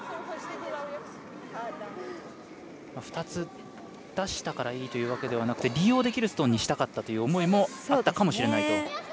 ２つ出したからいいというわけではなくて利用できるストーンにしたかったという思いもあったかもと。